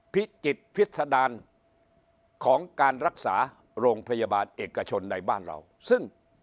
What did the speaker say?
พิจิตรพิษดารของการรักษาโรงพยาบาลเอกชนในบ้านเราซึ่ง